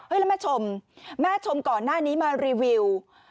แล้วแม่ชมแม่ชมก่อนหน้านี้มารีวิว